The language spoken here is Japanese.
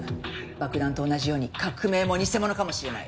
爆弾と同じように革命も偽物かもしれない。